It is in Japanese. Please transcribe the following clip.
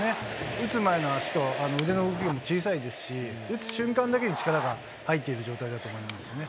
打つ前の足と腕の動きも小さいですし、打つ瞬間だけに力が入っている状態だと思いますね。